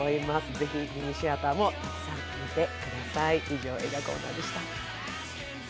ぜひミニシアターも見てみてください。